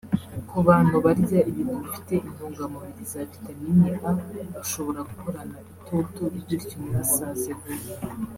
Ku bantu barya ibintu bifite intungamibiri za vitamini A bashobora guhorana itoto bityo ntibasaze vuba